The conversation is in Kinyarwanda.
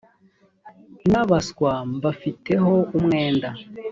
n abaswa mbafiteho umwenda